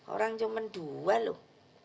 orang cuma dua loh